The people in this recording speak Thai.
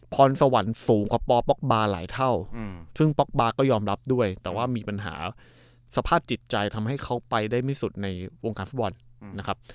พรสวรรค์สูงกว่าปป๊อกบาร์หลายเท่าซึ่งป๊อกบาร์ก็ยอมรับด้วยแต่ว่ามีปัญหาสภาพจิตใจทำให้เขาไปได้ไม่สุดในวงการฟุตบอลนะครับ